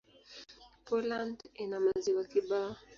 Poland ina maziwa kibao.